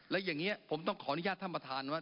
และอย่างนี้ผมต้องขออนุญาตท่านประธานว่า